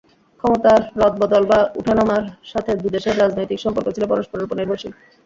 ক্ষমতার রদবদল বা উঠানামার সাথে দু দেশের রাজনৈতিক সম্পর্ক ছিল পরস্পরের ওপর নির্ভরশীল।